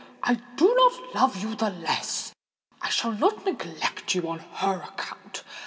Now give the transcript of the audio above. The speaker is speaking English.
I do not love you the less—I shall not neglect you on her account.